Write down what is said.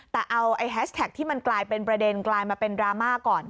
แต่เอาแฮชแท็กที่มันกลายเป็นประเด็นกลายมาเป็นดราม่าก่อน